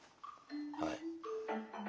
はい。